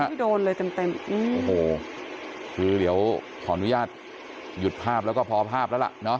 ไม่โดนเลยเต็มเต็มอืมโอ้โหคือเดี๋ยวขออนุญาตหยุดภาพแล้วก็พอภาพแล้วล่ะเนาะ